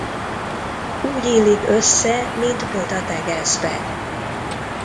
Úgy illik össze, mint bot a tegezbe.